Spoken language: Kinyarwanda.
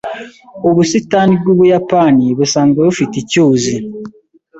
Ubusitani bw'Ubuyapani busanzwe bufite icyuzi.